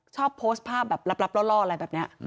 โพสต์ภาพแบบลับล่ออะไรแบบนี้